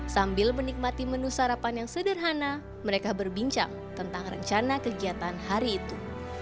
sambil menikmati menu sarapan yang sederhana mereka berbincang tentang rencana kegiatan hari itu